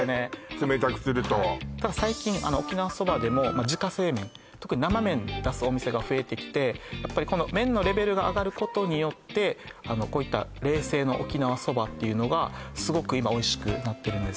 冷たくするとただ最近沖縄そばでも自家製麺特に生麺出すお店が増えてきてやっぱりこの麺のレベルが上がることによってこういった冷製の沖縄そばっていうのがすごく今おいしくなってるんです